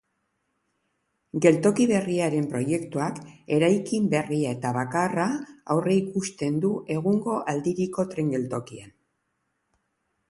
Geltoki berriaren proiektuak eraikin berria eta bakarra aurreikusten du egungo aldiriko tren-geltokian.